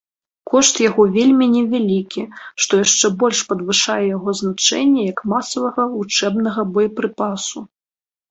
Кошт яго вельмі невялікі, што яшчэ больш падвышае яго значэнне як масавага вучэбнага боепрыпасу.